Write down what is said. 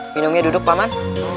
minumnya duduk paman